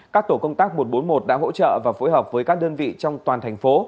các tổ công tác một trăm bốn mươi một đã hỗ trợ và phối hợp với các đơn vị trong toàn thành phố